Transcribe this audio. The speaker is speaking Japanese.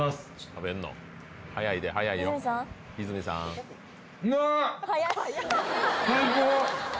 食べんの早いで早いよ泉さん最高！